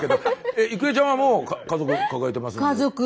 郁恵ちゃんはもう家族抱えてますので。